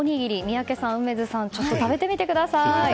宮家さん、梅津さん食べてみてください。